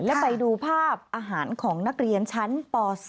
และไปดูภาพอาหารของนักเรียนชั้นป๔